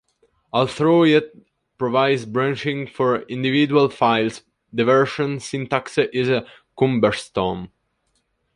Although it provides branching for individual files, the version syntax is cumbersome.